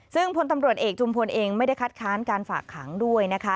ซึ่งพลตำรวจเอกจุมพลเองไม่ได้คัดค้านการฝากขังด้วยนะคะ